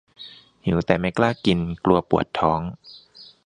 หิวแต่ไม่กล้ากิน กลัวปวดท้อง -_